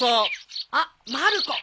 あっまる子ご飯